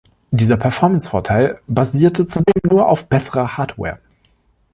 Dieser Performance-Vorteil basierte zudem nur auf besserer Hardware.